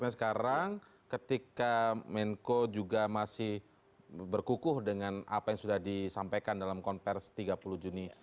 sekarang ketika menko juga masih berkukuh dengan apa yang sudah disampaikan dalam konversi tiga puluh juni